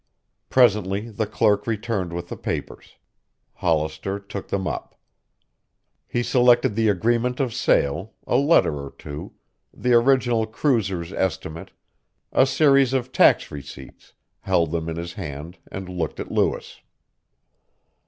Presently the clerk returned with the papers. Hollister took them up. He selected the agreement of sale, a letter or two, the original cruiser's estimate, a series of tax receipts, held them in his hand and looked at Lewis.